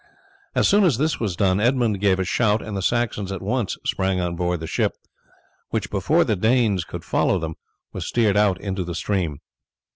As soon as this was done Edmund gave a shout, and the Saxons at once sprang on board the ship, which before the Danes could follow them was steered out into the stream.